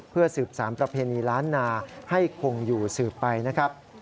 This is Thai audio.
เพื่อสืบสารประเพณีล้านนาให้คงอยู่สืบไปนะครับ